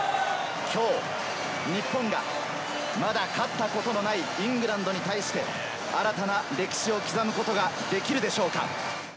きょう、日本がまだ勝ったことのないイングランドに対して、新たな歴史を刻むことができるでしょうか？